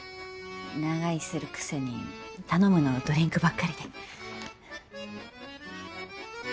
長居するくせに頼むのドリンクばっかりで。